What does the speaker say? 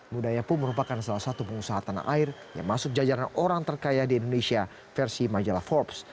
budaya pun merupakan salah satu pengusaha tanah air yang masuk jajaran orang terkaya di indonesia versi majalah forbes